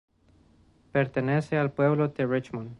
Pertenece al pueblo de Richmond.